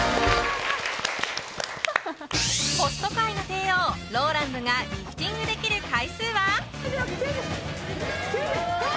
ホスト界の帝王ＲＯＬＡＮＤがリフティングできる回数は。